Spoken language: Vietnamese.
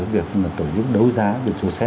việc tổ chức đấu giá về số xe